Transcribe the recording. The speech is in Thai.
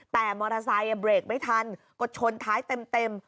แต่มอเตอร์ไซค์เนี่ยเบรคไม่ทันกดชนท้ายเต็มเต็ม